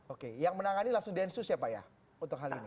oke yang menangani langsung densu siapa ya untuk hal ini